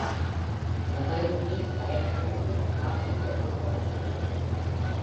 மொபைல்மீ பயனர்களுக்கு காப்புப்பிரதி தொடர்ந்து கிடைத்தது.